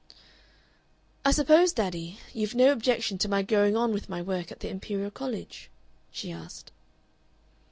"I suppose, daddy, you've no objection to my going on with my work at the Imperial College?" she asked.